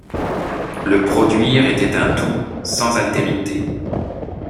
Le produire était un tout sans altérité.